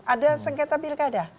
ada sengketa pilkada